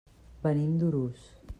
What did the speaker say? Venim d'Urús.